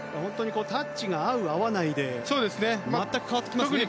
タッチが合う合わないで全く変わってきますね。